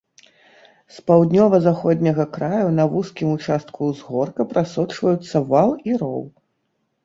З паўднёва-заходняга краю на вузкім участку ўзгорка прасочваюцца вал і роў.